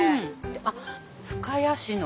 あっ深谷市の。